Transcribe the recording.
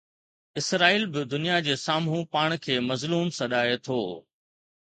اسرائيل به دنيا جي سامهون پاڻ کي مظلوم سڏائي ٿو.